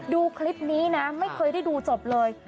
ดูคลิปนี้นะไม่เคยได้ดูจบเลย